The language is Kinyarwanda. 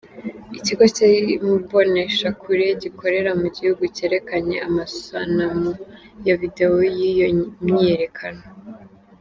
Ikigo c'imboneshakure gikorera mu gihugu cerekanye amasanamu ya video y'iyo myiyerekano.